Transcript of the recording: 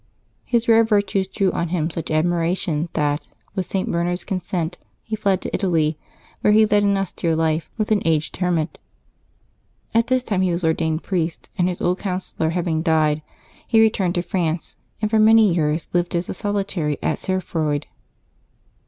His rare virtues drew on him such admiration that, with St. Bernard's consent, he fled to Italy, where he led an austere life with an aged hermit. At this time he was ordained priest, and his old counsellor having died, he returned to France, and for many years lived as a solitary at Cerfroid.